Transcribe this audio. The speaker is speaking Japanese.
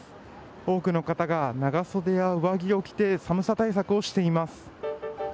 多くの方が長袖や上着を着て寒さ対策をしています。